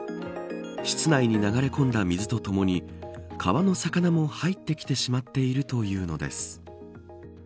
室内に流れ込んだ水とともに川の魚も入ってきてしまっているというのです。